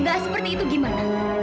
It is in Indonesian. gak seperti itu gimana